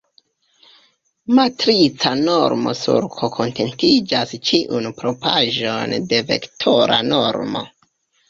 Matrica normo sur "K" kontentigas ĉiujn propraĵojn de vektora normo.